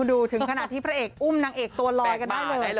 ดูถึงขนาดที่พระเอกอุ้มนางเอกตัวลอยกันได้เลย